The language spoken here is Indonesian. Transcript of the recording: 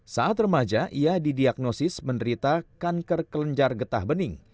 saat remaja ia didiagnosis menderita kanker kelenjar getah bening